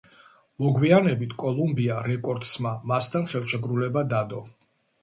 მოგვიანებით კოლუმბია რეკორდსმა მასთან ხელშეკრულება დადო.